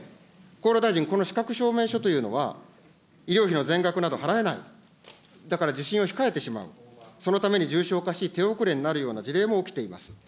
厚労大臣、この資格証明書というのは、医療費の全額など払えない、だから受診を控えてしまう、そのために重症化し、手遅れになるような事例も起きています。